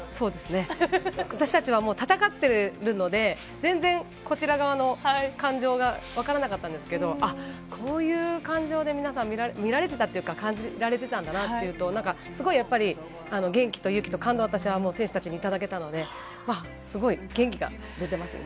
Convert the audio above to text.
私たちは戦っているので全然こちら側の感情がわからなかったんですけれど、こういう感情で皆さんが見られていたっていうか、感じられていたんだなと思うとやっぱり元気と勇気と感動を選手たちにいただけたので、元気が出ています。